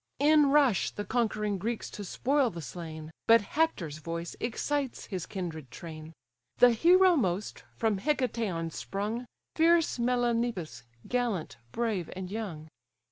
In rush the conquering Greeks to spoil the slain: But Hector's voice excites his kindred train; The hero most, from Hicetaon sprung, Fierce Melanippus, gallant, brave, and young.